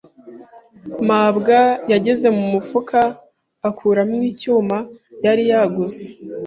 mabwa yageze mu mufuka akuramo icyuma yari yaguze.